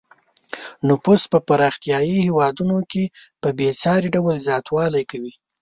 نفوس په پرمختیايي هېوادونو کې په بې ساري ډول زیاتوالی کوي.